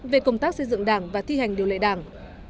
về công tác xây dựng đảng và thi hành điều lệ đảng